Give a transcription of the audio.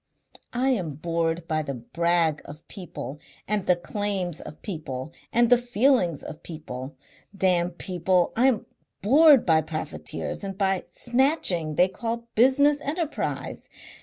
I am bored by the brag of people and the claims of people and the feelings of people. Damn people! I am bored by profiteers and by the snatching they call business enterprise.